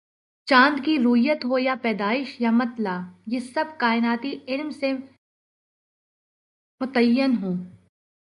چاند کی رویت ہو یا پیدائش یا مطلع، یہ سب کائناتی علم سے متعین ہوں۔